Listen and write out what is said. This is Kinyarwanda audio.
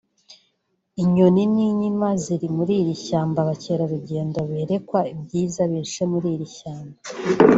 inyoni n’Inkima ziri muri iri shyambabakerarugendo berekwa ibyiza bihishe muri iri shyamba